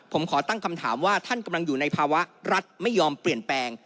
ผมขอตั้งคำถามว่าท่านกำลังอยู่ในภาวะรัฐไม่ยอมเปลี่ยนแปลง